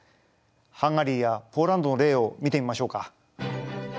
ハンガリーやポーランドの例を見てみましょうか。